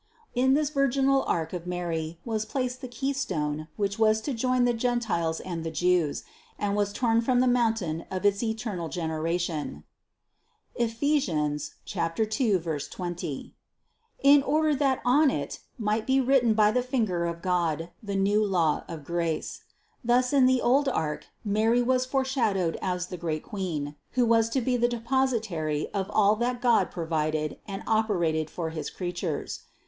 In this virginal ark of Mary was placed the key stone which was to join the Gentiles and the Jews, and was torn from the mountain of its eternal generation (Ephes. 2, 20) in order that on it might be written by the finger of God the new Law of grace. Thus in the old ark Mary was foreshadowed as the great Queen, who was to be the de positary of all that God provided and operated for his creatures.